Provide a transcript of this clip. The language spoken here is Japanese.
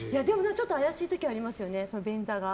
ちょっと怪しい時ありますよね。